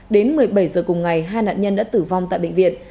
đến một mươi bảy giờ cùng ngày hai nạn nhân đã tử vong tại bệnh viện